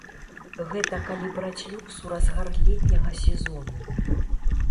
Гэта калі браць люкс у разгар летняга сезону.